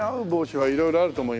はい。